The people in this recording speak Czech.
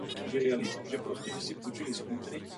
Kromě operních představení pěvkyně také koncertuje.